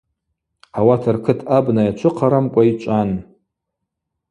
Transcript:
Ауат ркыт абна йачвыхъарамкӏва йчӏван.